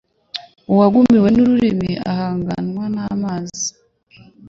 Uwagumiwe n’ururimi ahagamwa n’amazi